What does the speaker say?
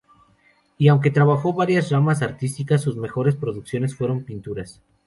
Y aunque trabajo varias ramas artísticas sus mejores producciones fueron pinturas.